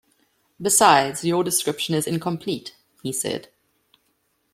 "Besides, your description is incomplete," he said.